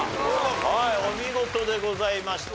はいお見事でございました。